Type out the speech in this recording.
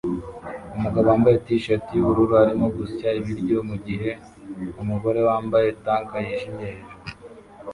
Umugabo wambaye t-shirt yubururu arimo gusya ibiryo mugihe umugore wambaye tank yijimye hejuru